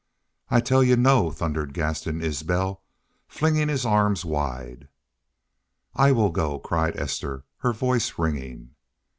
"I tell y'u no!" thundered Gaston Isbel, flinging his arms wide. "I WILL GO!" cried Esther, her voice ringing.